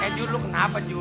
eh ju lo kenapa ju